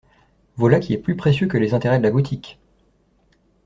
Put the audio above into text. Voilà qui est plus précieux que les intérêts de la boutique!